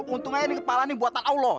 untung aja ini kepala ini buatan allah